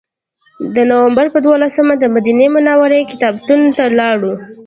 د نوامبر په دولسمه دمدینې منورې کتابتون ته لاړو.